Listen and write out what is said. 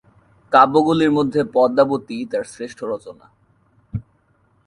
কাব্যগুলির মধ্যে পদ্মাবতী তাঁর শ্রেষ্ঠ রচনা।